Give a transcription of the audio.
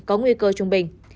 có nguy cơ trung bình